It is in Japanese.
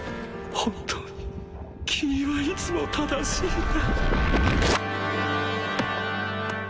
本当に君はいつも正しいな